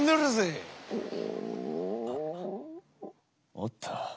おっと。